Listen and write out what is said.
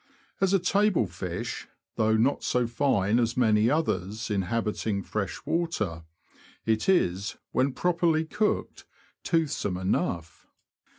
As a table fish, though not so fine as many others inhabiting fresh water, it is, when properly cooked, toothsome enough.